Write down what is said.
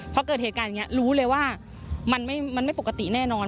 พอเกิดเหตุการณ์อย่างนี้รู้เลยว่ามันไม่ปกติแน่นอน